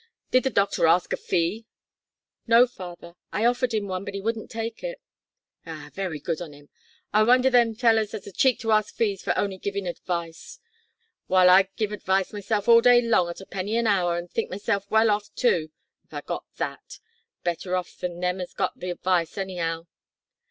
Did the doctor ask a fee?" "No, father, I offered him one, but he wouldn't take it." "Ah very good on 'im! I wonder them fellows has the cheek to ask fees for on'y givin' advice. W'y, I'd give advice myself all day long at a penny an hour, an' think myself well off too if I got that better off than them as got the advice anyhow.